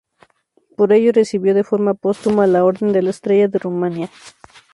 Por ello, recibió de forma póstuma la Orden de la Estrella de Rumania.